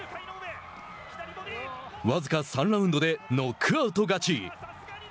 僅か３ラウンドでノックアウト勝ち。